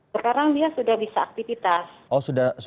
sekarang dia sudah bisa aktivitas